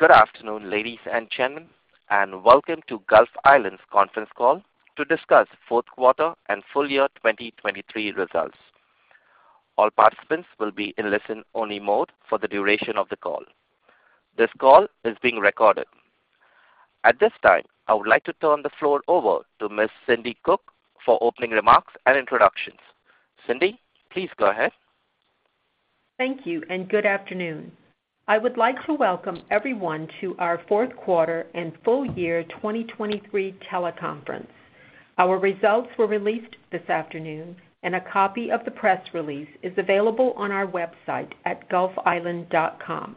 Good afternoon, ladies and gentlemen, and welcome to Gulf Island's Conference Call to discuss fourth quarter and full year 2023 results. All participants will be in listen-only mode for the duration of the call. This call is being recorded. At this time, I would like to turn the floor over to Ms. Cindi Cook for opening remarks and introductions. Cindi, please go ahead. Thank you, and good afternoon. I would like to welcome everyone to our fourth quarter and full year 2023 teleconference. Our results were released this afternoon, and a copy of the press release is available on our website at gulfisland.com.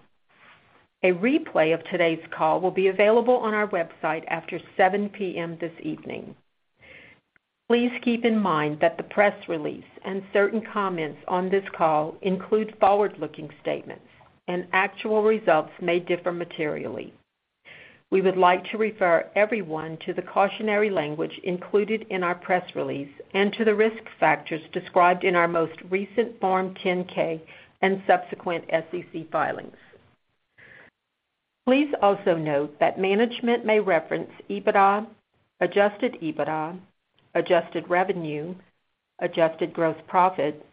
A replay of today's call will be available on our website after 7 P.M. this evening. Please keep in mind that the press release and certain comments on this call include forward-looking statements, and actual results may differ materially. We would like to refer everyone to the cautionary language included in our press release and to the risk factors described in our most recent Form 10-K and subsequent SEC filings. Please also note that management may reference EBITDA, adjusted EBITDA, adjusted revenue, adjusted gross profit,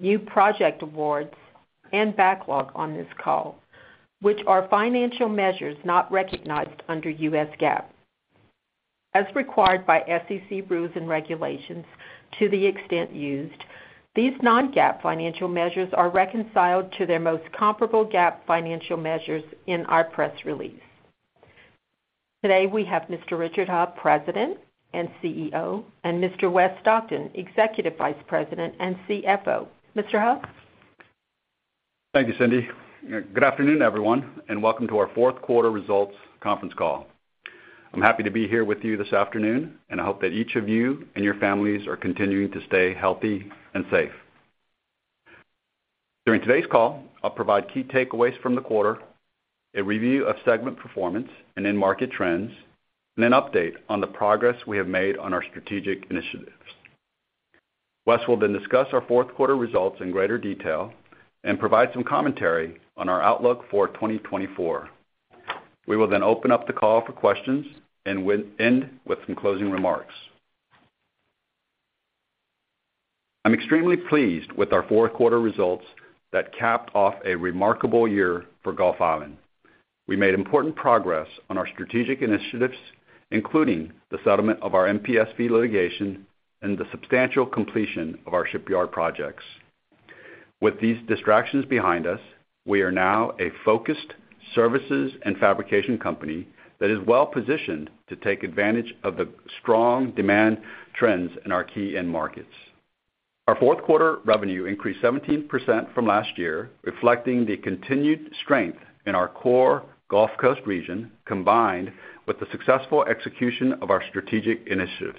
new project awards, and backlog on this call, which are financial measures not recognized under U.S. GAAP. As required by SEC rules and regulations, to the extent used, these non-GAAP financial measures are reconciled to their most comparable GAAP financial measures in our press release. Today, we have Mr. Richard Heo, President and CEO, and Mr. Wes Stockton, Executive Vice President and CFO. Mr. Heo? Thank you, Cindi. Good afternoon, everyone, and welcome to our fourth quarter results conference call. I'm happy to be here with you this afternoon, and I hope that each of you and your families are continuing to stay healthy and safe. During today's call, I'll provide key takeaways from the quarter, a review of segment performance and end market trends, and an update on the progress we have made on our strategic initiatives. Wes will then discuss our fourth quarter results in greater detail and provide some commentary on our outlook for 2024. We will then open up the call for questions and end with some closing remarks. I'm extremely pleased with our fourth quarter results that capped off a remarkable year for Gulf Island. We made important progress on our strategic initiatives, including the settlement of our MPSV litigation and the substantial completion of our shipyard projects. With these distractions behind us, we are now a focused services and fabrication company that is well-positioned to take advantage of the strong demand trends in our key end markets. Our fourth quarter revenue increased 17% from last year, reflecting the continued strength in our core Gulf Coast region, combined with the successful execution of our strategic initiatives.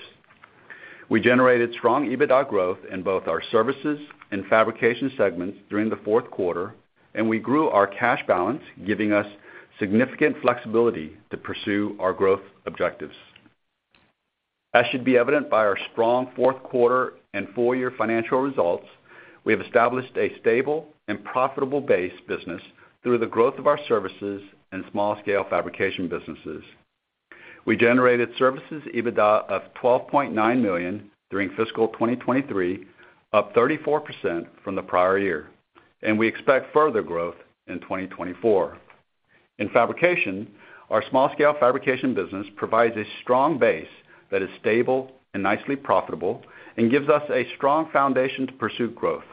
We generated strong EBITDA growth in both our services and fabrication segments during the fourth quarter, and we grew our cash balance, giving us significant flexibility to pursue our growth objectives. As should be evident by our strong fourth quarter and full year financial results, we have established a stable and profitable base business through the growth of our services and small-scale fabrication businesses. We generated services EBITDA of $12.9 million during fiscal 2023, up 34% from the prior year, and we expect further growth in 2024. In fabrication, our small-scale fabrication business provides a strong base that is stable and nicely profitable and gives us a strong foundation to pursue growth.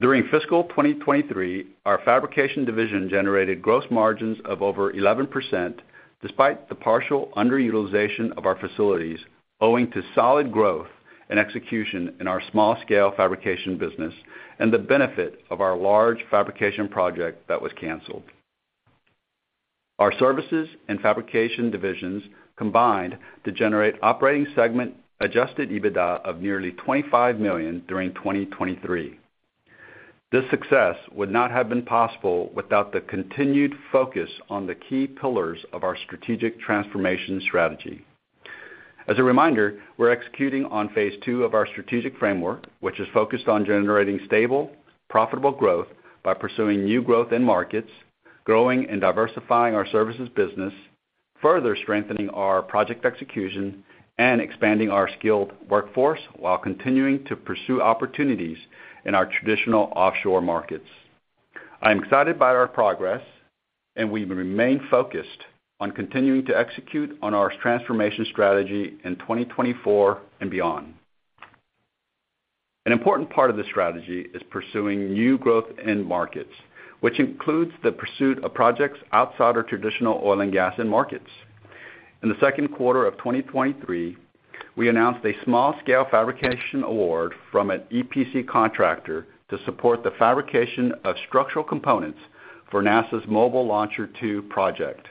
During fiscal 2023, our fabrication division generated gross margins of over 11%, despite the partial underutilization of our facilities, owing to solid growth and execution in our small-scale fabrication business and the benefit of our large fabrication project that was canceled. Our services and fabrication divisions combined to generate operating segment adjusted EBITDA of nearly $25 million during 2023. This success would not have been possible without the continued focus on the key pillars of our strategic transformation strategy. As a reminder, we're executing on phase II of our strategic framework, which is focused on generating stable, profitable growth by pursuing new growth in markets, growing and diversifying our services business, further strengthening our project execution, and expanding our skilled workforce while continuing to pursue opportunities in our traditional offshore markets. I'm excited by our progress, and we remain focused on continuing to execute on our transformation strategy in 2024 and beyond. An important part of this strategy is pursuing new growth end markets, which includes the pursuit of projects outside our traditional oil and gas end markets. In the second quarter of 2023, we announced a small-scale fabrication award from an EPC contractor to support the fabrication of structural components for NASA's Mobile Launcher 2 project.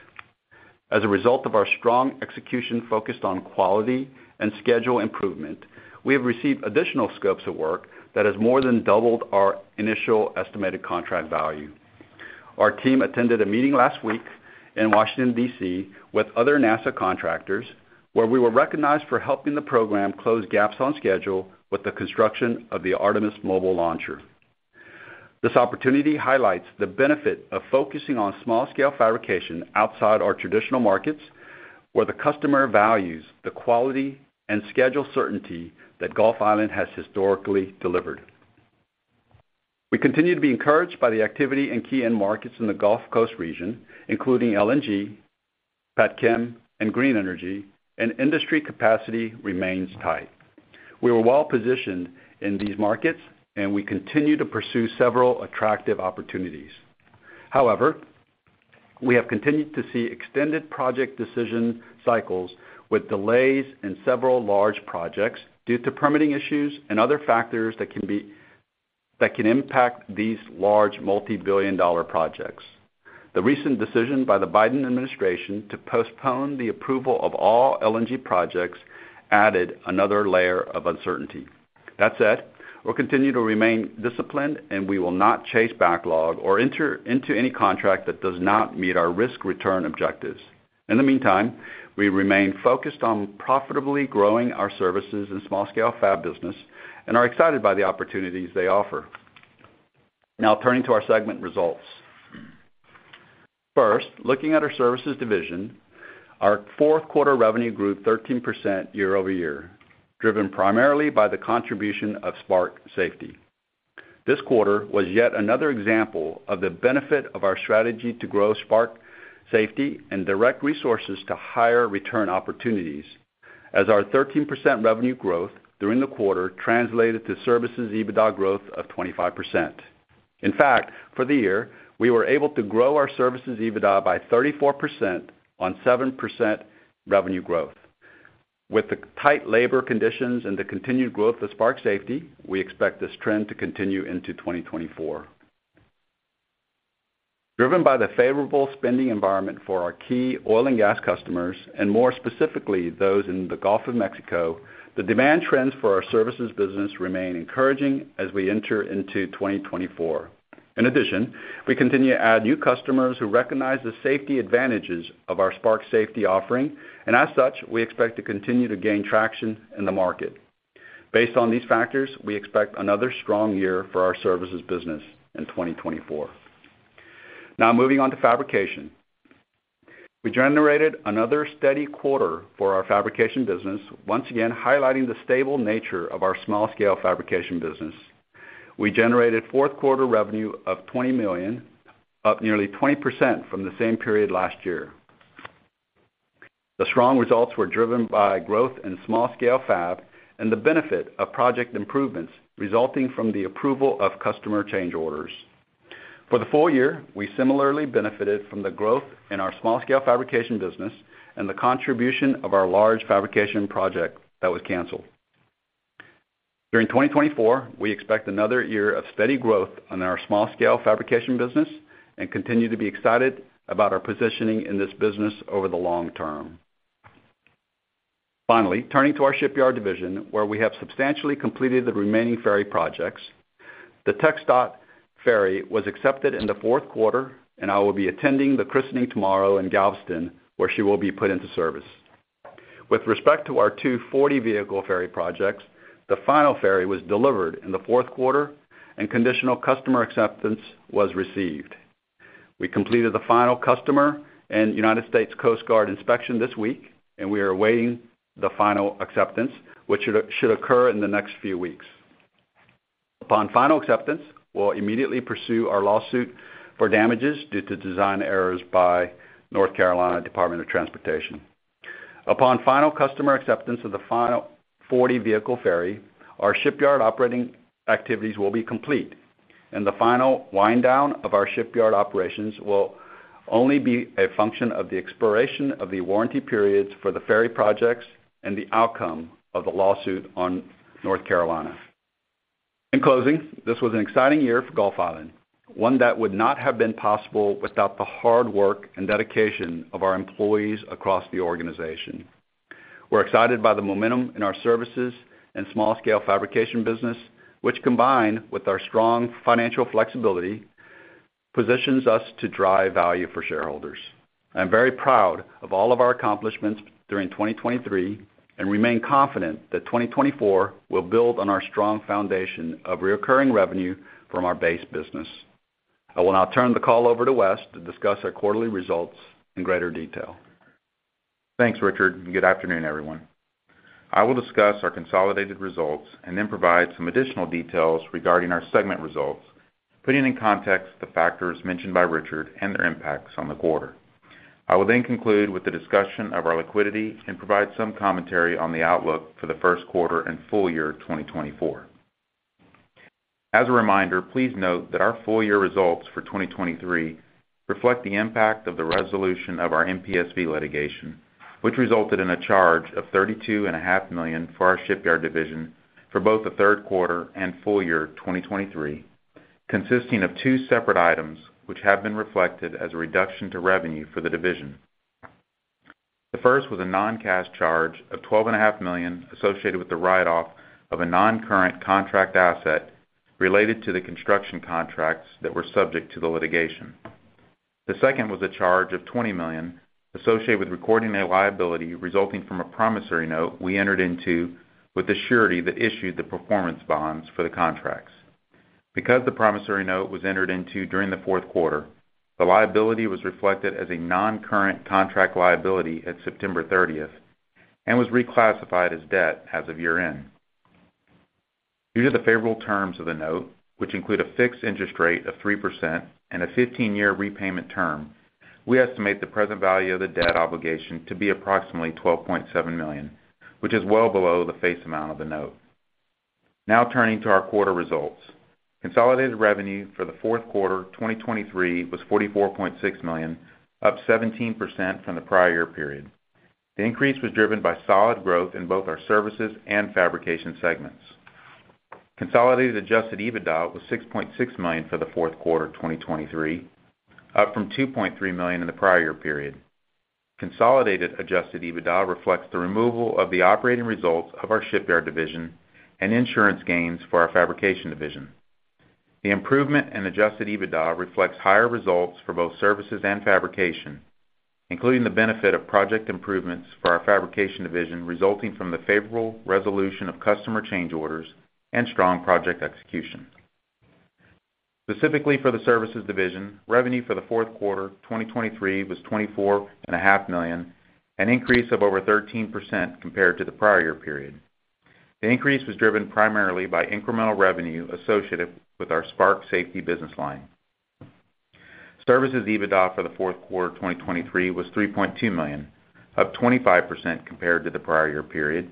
As a result of our strong execution focused on quality and schedule improvement, we have received additional scopes of work that has more than doubled our initial estimated contract value. Our team attended a meeting last week in Washington, D.C., with other NASA contractors, where we were recognized for helping the program close gaps on schedule with the construction of the Artemis Mobile Launcher.... This opportunity highlights the benefit of focusing on small-scale fabrication outside our traditional markets, where the customer values the quality and schedule certainty that Gulf Island has historically delivered. We continue to be encouraged by the activity in key end markets in the Gulf Coast region, including LNG, Petchem, and green energy, and industry capacity remains tight. We are well-positioned in these markets, and we continue to pursue several attractive opportunities. However, we have continued to see extended project decision cycles with delays in several large projects due to permitting issues and other factors that can impact these large multibillion-dollar projects. The recent decision by the Biden administration to postpone the approval of all LNG projects added another layer of uncertainty. That said, we'll continue to remain disciplined, and we will not chase backlog or enter into any contract that does not meet our risk-return objectives. In the meantime, we remain focused on profitably growing our services and small-scale fab business and are excited by the opportunities they offer. Now turning to our segment results. First, looking at our services division, our fourth quarter revenue grew 13% year-over-year, driven primarily by the contribution of Spark Safety. This quarter was yet another example of the benefit of our strategy to grow Spark Safety and direct resources to higher return opportunities, as our 13% revenue growth during the quarter translated to services EBITDA growth of 25%. In fact, for the year, we were able to grow our services EBITDA by 34% on 7% revenue growth. With the tight labor conditions and the continued growth of Spark Safety, we expect this trend to continue into 2024. Driven by the favorable spending environment for our key oil and gas customers, and more specifically, those in the Gulf of Mexico, the demand trends for our services business remain encouraging as we enter into 2024. In addition, we continue to add new customers who recognize the safety advantages of our Spark Safety offering, and as such, we expect to continue to gain traction in the market. Based on these factors, we expect another strong year for our services business in 2024. Now, moving on to fabrication. We generated another steady quarter for our fabrication business, once again, highlighting the stable nature of our small-scale fabrication business. We generated fourth-quarter revenue of $20 million, up nearly 20% from the same period last year. The strong results were driven by growth in small-scale fab and the benefit of project improvements resulting from the approval of customer change orders. For the full year, we similarly benefited from the growth in our small-scale fabrication business and the contribution of our large fabrication project that was canceled. During 2024, we expect another year of steady growth on our small-scale fabrication business and continue to be excited about our positioning in this business over the long term. Finally, turning to our shipyard division, where we have substantially completed the remaining ferry projects. The TxDOT ferry was accepted in the fourth quarter, and I will be attending the christening tomorrow in Galveston, where she will be put into service. With respect to our 2 40-vehicle ferry projects, the final ferry was delivered in the fourth quarter, and conditional customer acceptance was received. We completed the final customer and United States Coast Guard inspection this week, and we are awaiting the final acceptance, which should occur in the next few weeks. Upon final acceptance, we'll immediately pursue our lawsuit for damages due to design errors by North Carolina Department of Transportation. Upon final customer acceptance of the final 40-vehicle ferry, our shipyard operating activities will be complete, and the final wind down of our shipyard operations will only be a function of the expiration of the warranty periods for the ferry projects and the outcome of the lawsuit on North Carolina. In closing, this was an exciting year for Gulf Island, one that would not have been possible without the hard work and dedication of our employees across the organization. We're excited by the momentum in our services and small-scale fabrication business, which, combined with our strong financial flexibility, positions us to drive value for shareholders. I'm very proud of all of our accomplishments during 2023 and remain confident that 2024 will build on our strong foundation of recurring revenue from our base business. I will now turn the call over to Wes to discuss our quarterly results in greater detail. Thanks, Richard, and good afternoon, everyone. I will discuss our consolidated results and then provide some additional details regarding our segment results, putting in context the factors mentioned by Richard and their impacts on the quarter. I will then conclude with the discussion of our liquidity and provide some commentary on the outlook for the first quarter and full year 2024. As a reminder, please note that our full-year results for 2023 reflect the impact of the resolution of our MPSV litigation, which resulted in a charge of $32.5 million for our shipyard division for both the third quarter and full year 2023, consisting of two separate items, which have been reflected as a reduction to revenue for the division. The first was a non-cash charge of $12.5 million associated with the write-off of a non-current contract asset related to the construction contracts that were subject to the litigation. The second was a charge of $20 million associated with recording a liability resulting from a promissory note we entered into with the surety that issued the performance bonds for the contracts. Because the promissory note was entered into during the fourth quarter, the liability was reflected as a non-current contract liability at September thirtieth, and was reclassified as debt as of year-end. Due to the favorable terms of the note, which include a fixed interest rate of 3% and a 15-year repayment term, we estimate the present value of the debt obligation to be approximately $12.7 million, which is well below the face amount of the note. Now turning to our quarter results. Consolidated revenue for the fourth quarter, 2023, was $44.6 million, up 17% from the prior year period. The increase was driven by solid growth in both our services and fabrication segments. Consolidated adjusted EBITDA was $6.6 million for the fourth quarter, 2023, up from $2.3 million in the prior year period. Consolidated adjusted EBITDA reflects the removal of the operating results of our shipyard division and insurance gains for our fabrication division. The improvement in adjusted EBITDA reflects higher results for both services and fabrication, including the benefit of project improvements for our fabrication division, resulting from the favorable resolution of customer change orders and strong project execution. Specifically for the services division, revenue for the fourth quarter, 2023, was $24.5 million, an increase of over 13% compared to the prior year period. The increase was driven primarily by incremental revenue associated with our Spark Safety business line. Services EBITDA for the fourth quarter, 2023, was $3.2 million, up 25% compared to the prior year period,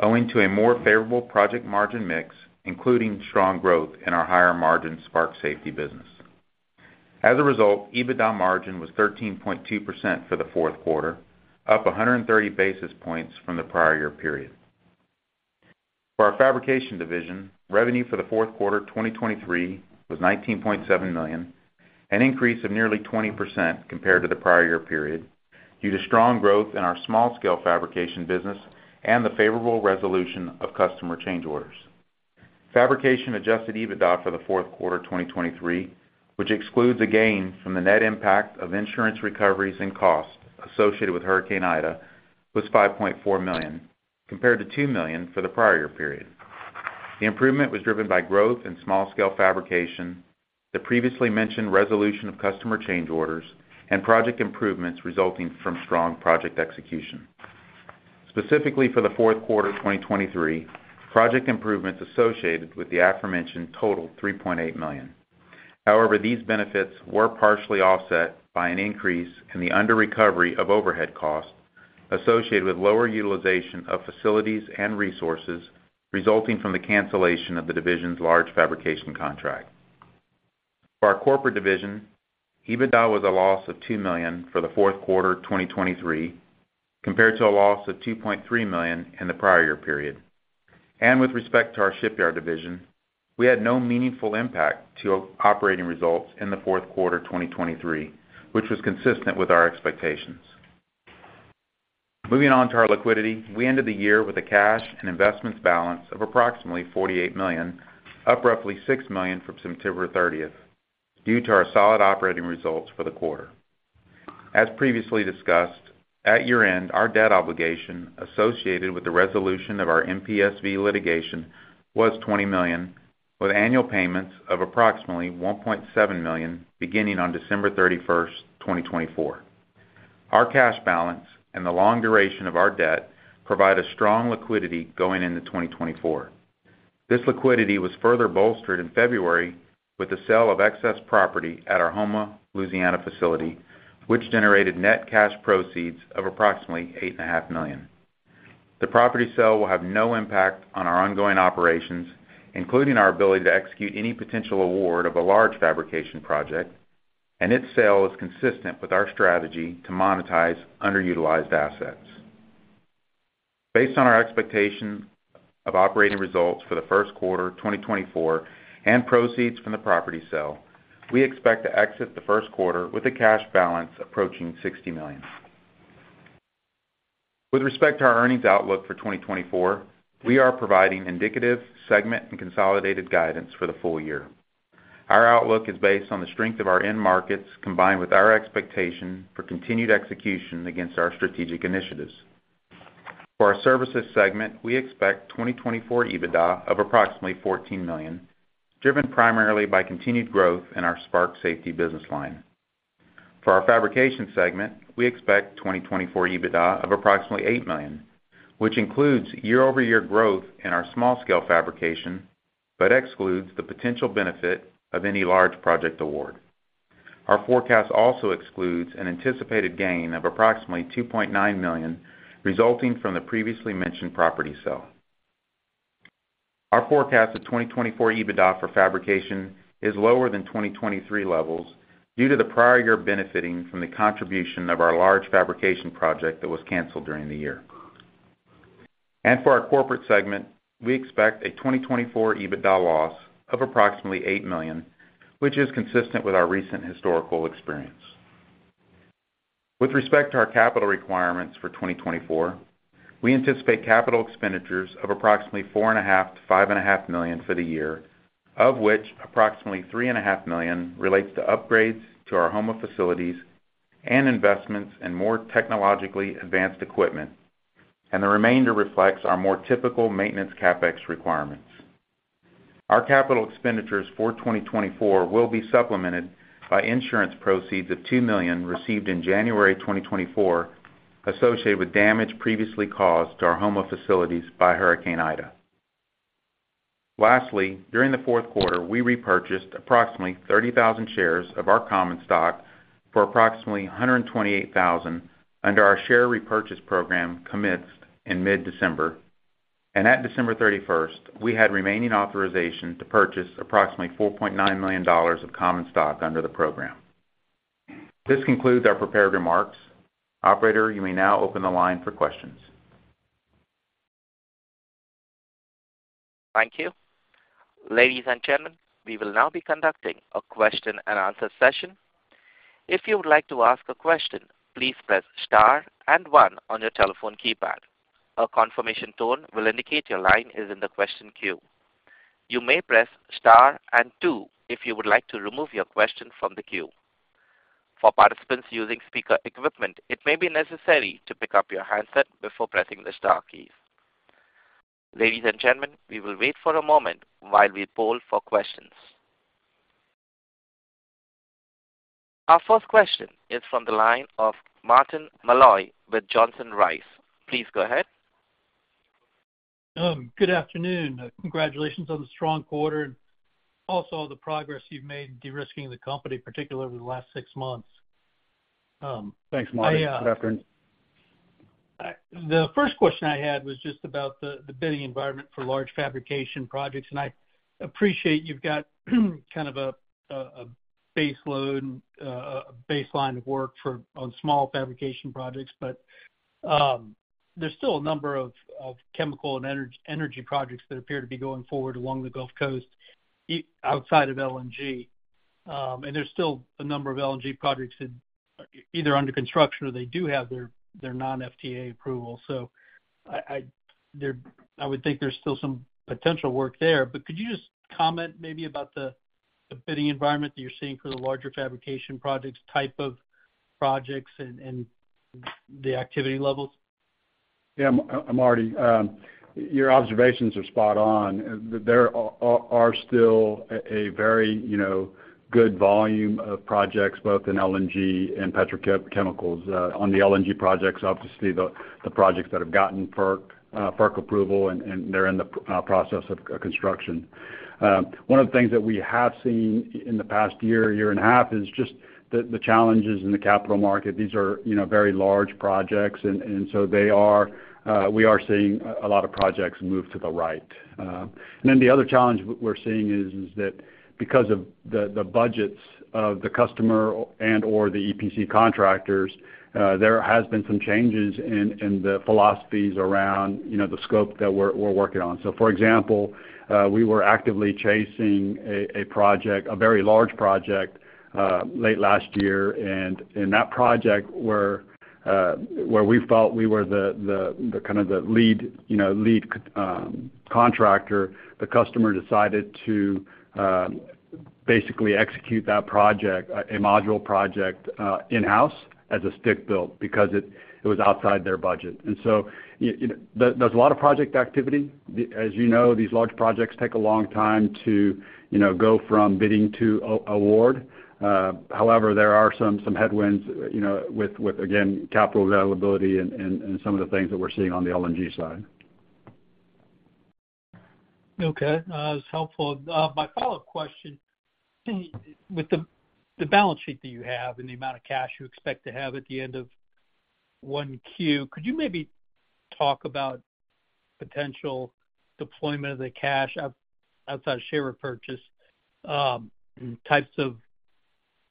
owing to a more favorable project margin mix, including strong growth in our higher-margin Spark Safety business. As a result, EBITDA margin was 13.2% for the fourth quarter, up 130 basis points from the prior year period. For our fabrication division, revenue for the fourth quarter, 2023, was $19.7 million, an increase of nearly 20% compared to the prior year period, due to strong growth in our small-scale fabrication business and the favorable resolution of customer change orders. Fabrication adjusted EBITDA for the fourth quarter, 2023, which excludes a gain from the net impact of insurance recoveries and costs associated with Hurricane Ida, was $5.4 million, compared to $2 million for the prior year period. The improvement was driven by growth in small-scale fabrication, the previously mentioned resolution of customer change orders, and project improvements resulting from strong project execution. Specifically for the fourth quarter, 2023, project improvements associated with the aforementioned totaled $3.8 million. However, these benefits were partially offset by an increase in the underrecovery of overhead costs associated with lower utilization of facilities and resources, resulting from the cancellation of the division's large fabrication contract. For our corporate division, EBITDA was a loss of $2 million for the fourth quarter, 2023, compared to a loss of $2.3 million in the prior year period. With respect to our shipyard division, we had no meaningful impact to operating results in the fourth quarter, 2023, which was consistent with our expectations. Moving on to our liquidity. We ended the year with a cash and investments balance of approximately $48 million, up roughly $6 million from September 30, due to our solid operating results for the quarter. As previously discussed, at year-end, our debt obligation associated with the resolution of our MPSV litigation was $20 million, with annual payments of approximately $1.7 million, beginning on December 31, 2024. Our cash balance and the long duration of our debt provide a strong liquidity going into 2024. This liquidity was further bolstered in February with the sale of excess property at our Houma, Louisiana, facility, which generated net cash proceeds of approximately $8.5 million. The property sale will have no impact on our ongoing operations, including our ability to execute any potential award of a large fabrication project, and its sale is consistent with our strategy to monetize underutilized assets. Based on our expectation of operating results for the first quarter, 2024, and proceeds from the property sale, we expect to exit the first quarter with a cash balance approaching $60 million. With respect to our earnings outlook for 2024, we are providing indicative segment and consolidated guidance for the full year. Our outlook is based on the strength of our end markets, combined with our expectation for continued execution against our strategic initiatives. For our services segment, we expect 2024 EBITDA of approximately $14 million, driven primarily by continued growth in our Spark Safety business line. For our fabrication segment, we expect 2024 EBITDA of approximately $8 million, which includes year-over-year growth in our small-scale fabrication, but excludes the potential benefit of any large project award. Our forecast also excludes an anticipated gain of approximately $2.9 million, resulting from the previously mentioned property sale. Our forecast of 2024 EBITDA for fabrication is lower than 2023 levels due to the prior year benefiting from the contribution of our large fabrication project that was canceled during the year. For our corporate segment, we expect a 2024 EBITDA loss of approximately $8 million, which is consistent with our recent historical experience. ...With respect to our capital requirements for 2024, we anticipate capital expenditures of approximately $4.5 million-$5.5 million for the year, of which approximately $3.5 million relates to upgrades to our Houma facilities and investments in more technologically advanced equipment, and the remainder reflects our more typical maintenance CapEx requirements. Our capital expenditures for 2024 will be supplemented by insurance proceeds of $2 million received in January 2024, associated with damage previously caused to our Houma facilities by Hurricane Ida. Lastly, during the fourth quarter, we repurchased approximately 30,000 shares of our common stock for approximately $128,000 under our share repurchase program, commenced in mid-December. At December 31st, we had remaining authorization to purchase approximately $4.9 million of common stock under the program. This concludes our prepared remarks. Operator, you may now open the line for questions. Thank you. Ladies and gentlemen, we will now be conducting a question-and-answer session. If you would like to ask a question, please press star and one on your telephone keypad. A confirmation tone will indicate your line is in the question queue. You may press star and two if you would like to remove your question from the queue. For participants using speaker equipment, it may be necessary to pick up your handset before pressing the star key. Ladies and gentlemen, we will wait for a moment while we poll for questions. Our first question is from the line of Martin Malloy with Johnson Rice. Please go ahead. Good afternoon. Congratulations on the strong quarter and also the progress you've made in de-risking the company, particularly over the last six months. Thanks, Martin. Good afternoon. The first question I had was just about the bidding environment for large fabrication projects, and I appreciate you've got kind of a baseload and a baseline of work for on small fabrication projects. But there's still a number of chemical and energy projects that appear to be going forward along the Gulf Coast, outside of LNG. And there's still a number of LNG projects that either under construction or they do have their non-FTA approval. So I would think there's still some potential work there. But could you just comment maybe about the bidding environment that you're seeing for the larger fabrication projects, type of projects and the activity levels? Yeah, Martin, your observations are spot on. There are still a very, you know, good volume of projects, both in LNG and petrochemicals. On the LNG projects, obviously, the projects that have gotten FERC approval, and they're in the process of construction. One of the things that we have seen in the past year and a half is just the challenges in the capital market. These are, you know, very large projects, and so we are seeing a lot of projects move to the right. And then the other challenge we're seeing is that because of the budgets of the customer and/or the EPC contractors, there has been some changes in the philosophies around, you know, the scope that we're working on. So for example, we were actively chasing a project, a very large project, late last year. And in that project where we felt we were the kind of lead, you know, lead contractor, the customer decided to basically execute that project, a module project, in-house as a stick build because it was outside their budget. And so, you know, there's a lot of project activity. As you know, these large projects take a long time to, you know, go from bidding to award. However, there are some headwinds, you know, with again, capital availability and some of the things that we're seeing on the LNG side. Okay, it's helpful. My follow-up question: With the balance sheet that you have and the amount of cash you expect to have at the end of 1Q, could you maybe talk about potential deployment of the cash outside of share repurchase, types of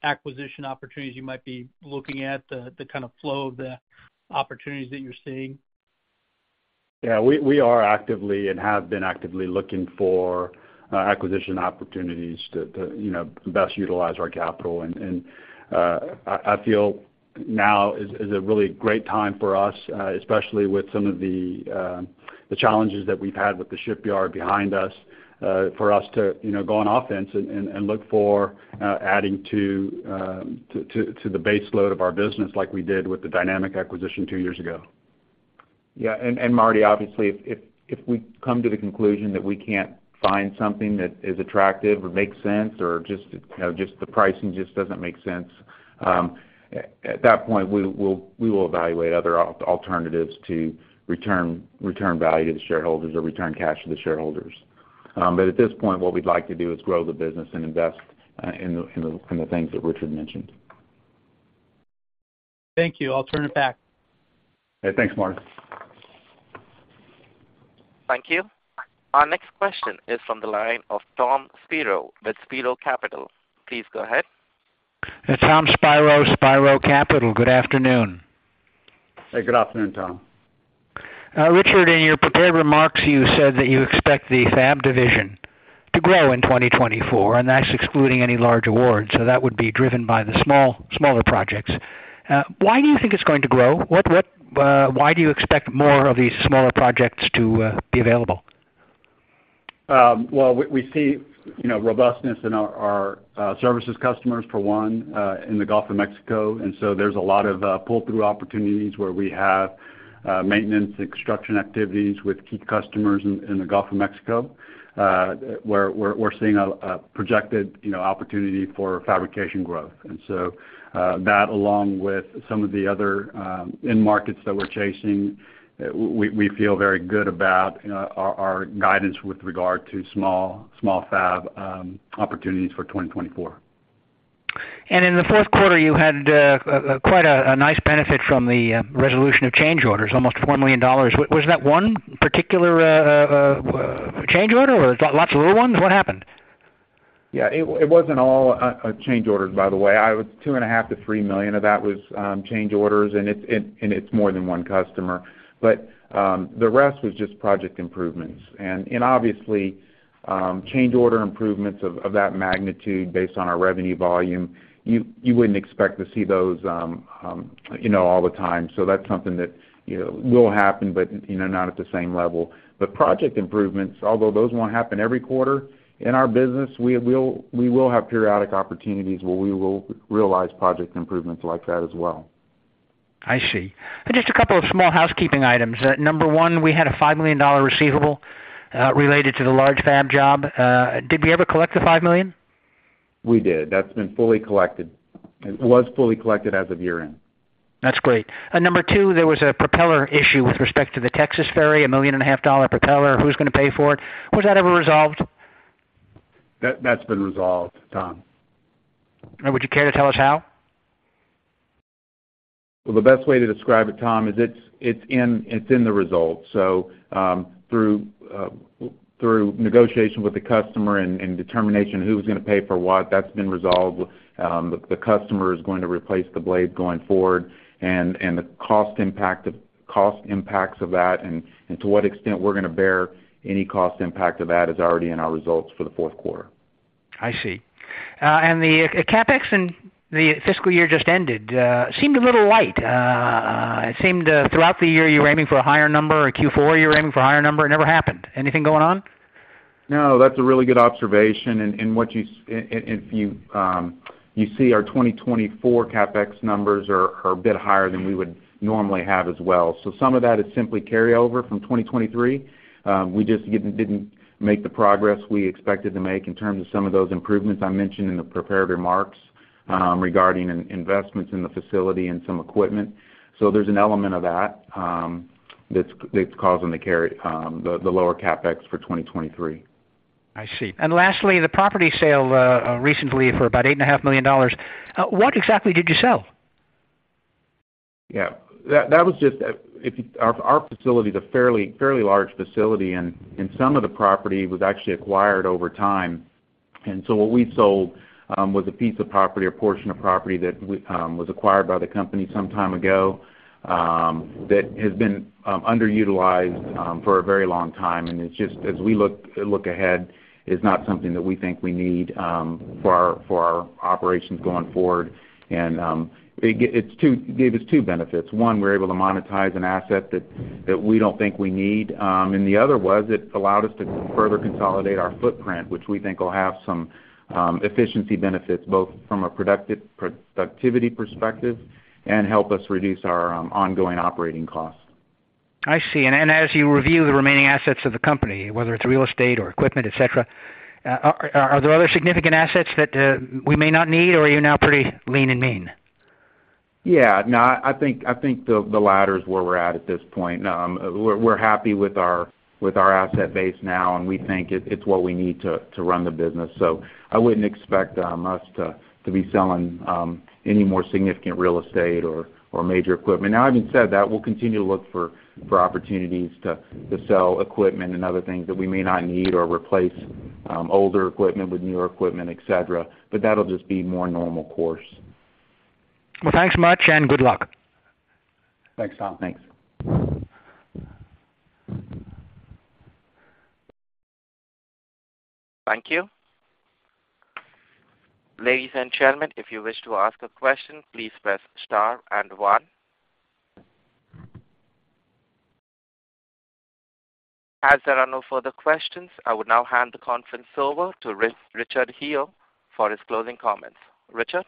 acquisition opportunities you might be looking at, the kind of flow of the opportunities that you're seeing? Yeah, we, we are actively and have been actively looking for, acquisition opportunities to, to, you know, best utilize our capital. And, and, I, I feel now is, is a really great time for us, especially with some of the, the challenges that we've had with the shipyard behind us, for us to, you know, go on offense and, and, and look for, adding to, to, to, to the baseload of our business, like we did with the Dynamic acquisition two years ago. Yeah, and, and Marty, obviously, if, if, if we come to the conclusion that we can't find something that is attractive or makes sense or just, just the pricing just doesn't make sense, at that point, we will evaluate other alternatives to return, return value to the shareholders or return cash to the shareholders. But at this point, what we'd like to do is grow the business and invest in the things that Richard mentioned. Thank you. I'll turn it back. Hey, thanks, Martin. Thank you. Our next question is from the line of Tom Spiro with Spiro Capital. Please go ahead. It's Tom Spiro, Spiro Capital. Good afternoon. Hey, good afternoon, Tom. ... Richard, in your prepared remarks, you said that you expect the fab division to grow in 2024, and that's excluding any large awards, so that would be driven by the small, smaller projects. Why do you think it's going to grow? Why do you expect more of these smaller projects to be available? Well, we see, you know, robustness in our services customers, for one, in the Gulf of Mexico. And so there's a lot of pull-through opportunities where we have maintenance and construction activities with key customers in the Gulf of Mexico. Where we're seeing a projected, you know, opportunity for fabrication growth. And so that along with some of the other end markets that we're chasing, we feel very good about, you know, our guidance with regard to small fab opportunities for 2024. In the fourth quarter, you had quite a nice benefit from the resolution of change orders, almost $1 million. Was that one particular change order, or lots of little ones? What happened? Yeah, it wasn't all change orders, by the way. $2.5 million-$3 million of that was change orders, and it's more than one customer. But the rest was just project improvements. And obviously, change order improvements of that magnitude based on our revenue volume, you wouldn't expect to see those, you know, all the time. So that's something that, you know, will happen, but, you know, not at the same level. But project improvements, although those won't happen every quarter in our business, we will have periodic opportunities where we will realize project improvements like that as well. I see. Just a couple of small housekeeping items. Number one, we had a $5 million receivable related to the large fab job. Did we ever collect the $5 million? We did. That's been fully collected. It was fully collected as of year-end. That's great. And number two, there was a propeller issue with respect to the Texas ferry, a $1.5 million propeller. Who's gonna pay for it? Was that ever resolved? That's been resolved, Tom. Would you care to tell us how? Well, the best way to describe it, Tom, is it's in the results. So, through negotiation with the customer and determination, who's gonna pay for what, that's been resolved. The customer is going to replace the blade going forward, and the cost impact of cost impacts of that, and to what extent we're gonna bear any cost impact of that is already in our results for the fourth quarter. I see. And the CapEx in the fiscal year just ended seemed a little light. It seemed throughout the year, you were aiming for a higher number; in Q4, you were aiming for a higher number; it never happened. Anything going on? No, that's a really good observation, and what you -- and if you see our 2024 CapEx numbers are a bit higher than we would normally have as well. So some of that is simply carryover from 2023. We just didn't make the progress we expected to make in terms of some of those improvements I mentioned in the prepared remarks, regarding investments in the facility and some equipment. So there's an element of that that's causing the carry, the lower CapEx for 2023. I see. And lastly, the property sale, recently for about $8.5 million. What exactly did you sell? Yeah. That was just if. Our facility is a fairly large facility, and some of the property was actually acquired over time. And so what we sold was a piece of property, a portion of property that was acquired by the company some time ago that has been underutilized for a very long time. And it's just as we look ahead, is not something that we think we need for our operations going forward. And it gave us two benefits. One, we're able to monetize an asset that we don't think we need. And the other was it allowed us to further consolidate our footprint, which we think will have some efficiency benefits, both from a productivity perspective and help us reduce our ongoing operating costs. I see. And then as you review the remaining assets of the company, whether it's real estate or equipment, et cetera, are there other significant assets that we may not need, or are you now pretty lean and mean? Yeah, no, I think the latter is where we're at this point. We're happy with our asset base now, and we think it's what we need to run the business. So I wouldn't expect us to be selling any more significant real estate or major equipment. Now, having said that, we'll continue to look for opportunities to sell equipment and other things that we may not need or replace older equipment with newer equipment, et cetera, but that'll just be more normal course. Well, thanks much, and good luck. Thanks, Tom. Thanks. Thank you. Ladies and gentlemen, if you wish to ask a question, please press Star and one. As there are no further questions, I would now hand the conference over to Richard Heo for his closing comments. Richard?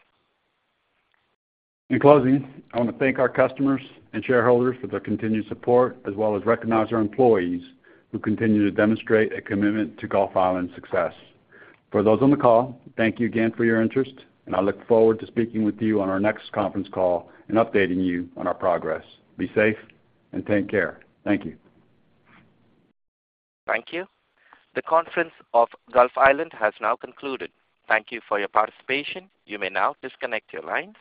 In closing, I want to thank our customers and shareholders for their continued support, as well as recognize our employees, who continue to demonstrate a commitment to Gulf Island's success. For those on the call, thank you again for your interest, and I look forward to speaking with you on our next conference call and updating you on our progress. Be safe and take care. Thank you. Thank you. The conference of Gulf Island has now concluded. Thank you for your participation. You may now disconnect your lines.